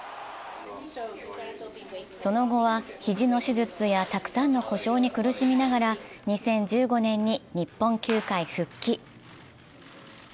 その後は肘の手術やたくさんの故障に苦しみながら２０１５年に日本球界復帰。